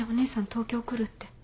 東京来るって。